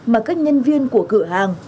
mà các nhân viên của cửa hàng